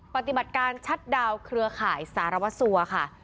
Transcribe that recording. ปฏิบัติการชัดดาวนเครือข่ายสารวัสสัวค่ะ